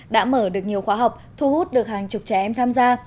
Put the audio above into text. đã mở được nhiều khóa học thu hút được hàng chục trẻ em tham gia